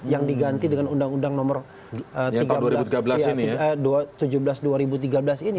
yang diganti dengan undang undang nomor tujuh belas dua ribu tiga belas ini